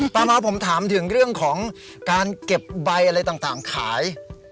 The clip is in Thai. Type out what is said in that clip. ต่อมาผมถามถึงเรื่องของการเก็บใบอะไรต่างขาย